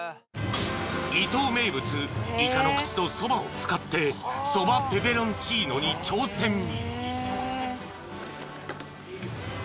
［伊東名物イカの口とそばを使ってそばペペロンチーノに挑戦］